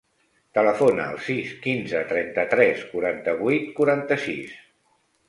Telefona al sis, quinze, trenta-tres, quaranta-vuit, quaranta-sis.